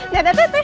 dadah teh teh